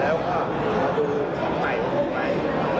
แล้วก็มาดูของใหม่ออกไป